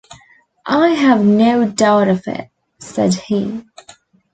"I have no doubt of it," said he.